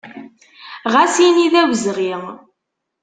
Ɣas ini d awezɣi.